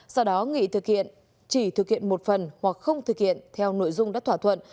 sau đó nghị thực hiện chỉ thực hiện một phần hoặc không thực hiện theo nội dung đất thỏa thuận